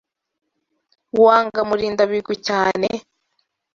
Wanga Murindabigwi cyane?